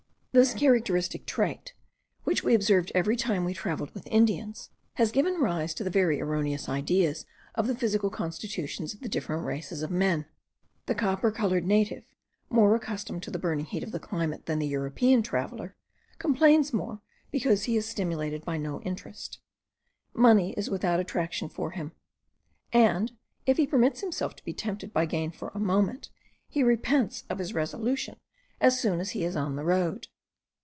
This characteristic trait, which we observed every time we travelled with Indians, has given rise to very erroneous ideas of the physical constitutions of the different races of men. The copper coloured native, more accustomed to the burning heat of the climate, than the European traveller, complains more, because he is stimulated by no interest. Money is without attraction for him; and if he permits himself to be tempted by gain for a moment, he repents of his resolution as soon as he is on the road.